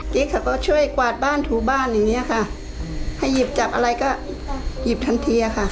ิ๊กเขาก็ช่วยกวาดบ้านถูบ้านอย่างเงี้ยค่ะให้หยิบจับอะไรก็หยิบทันทีอะค่ะ